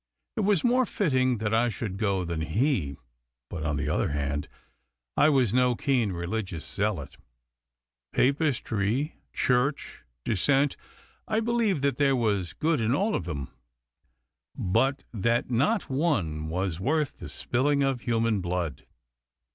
It was more fitting that I should go than he. But, on the other hand, I was no keen religious zealot. Papistry, Church, Dissent, I believed that there was good in all of them, but that not one was worth the spilling of human blood.